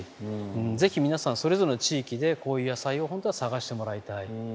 ぜひ皆さんそれぞれの地域でこういう野菜を本当は探してもらいたい。